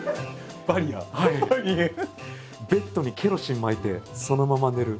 ベッドにケロシンまいてそのまま寝る。